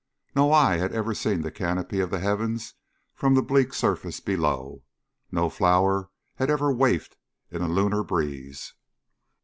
No eye had ever seen the canopy of the heavens from the bleak surface below; no flower had ever wafted in a lunar breeze.